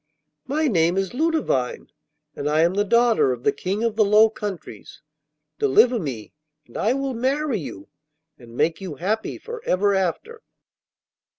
'My name is Ludovine, and I am the daughter of the King of the Low Countries. Deliver me, and I will marry you and make you happy for ever after.